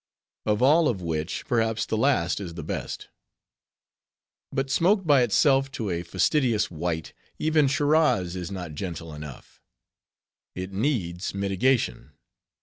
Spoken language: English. Of all of which, perhaps the last is the best. But smoked by itself, to a fastidious wight, even Shiraz is not gentle enough. It needs mitigation.